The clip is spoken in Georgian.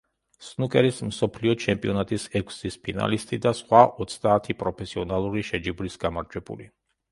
სნუკერის მსოფლიო ჩემპიონატის ექვსგზის ფინალისტი და სხვა ოცდაათი პროფესიონალური შეჯიბრის გამარჯვებული.